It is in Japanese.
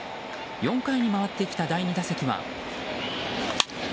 ４回に回ってきた第２打席は。